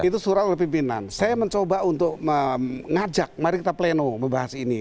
itu surat oleh pimpinan saya mencoba untuk mengajak mari kita pleno membahas ini